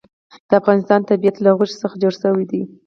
د افغانستان طبیعت له غوښې څخه جوړ شوی دی.